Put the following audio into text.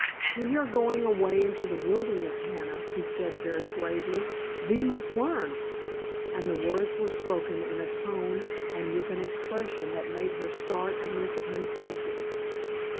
"We are going away into the wilderness, Hannah," he said very gravely, "thee must learn." And the words were spoken in a tone and with an expression that made her start and look at him closely.